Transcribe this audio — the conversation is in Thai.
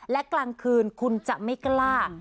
และกลางคืนคุณจะไม่กล้า